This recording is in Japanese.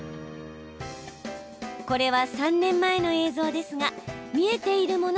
これは３年前の映像ですが見えているもの